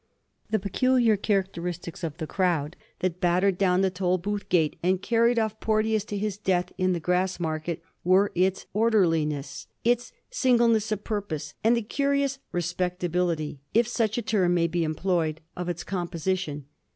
1786. A ''RESPECTABLE" MOB. 65 The peculiar characteristics of the crowd that battered down the Tolbooth gate and carried off Porteous to his death in the Orassmarket were its orderliness, its single ness of purpose, and the curious ^^ respectability," if such a term may be employed, of its composition.